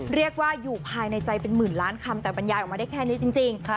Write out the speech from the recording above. เรียกว่าอยู่ภายในใจเป็นหมื่นล้านคำแต่บรรยายออกมาได้แค่นี้จริง